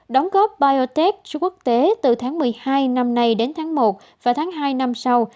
đóng góp biote số quốc tế từ tháng một mươi hai năm nay đến tháng một và tháng hai năm sau